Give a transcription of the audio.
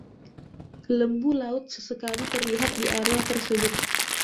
Lembu laut sesekali terlihat di area tersebut.